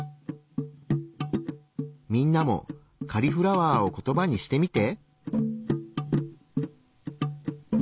みんなもカリフラワーをコトバにしてみて。